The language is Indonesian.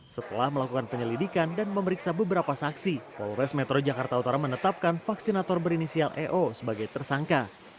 setelah melakukan penyelidikan dan memeriksa beberapa saksi polres metro jakarta utara menetapkan vaksinator berinisial eo sebagai tersangka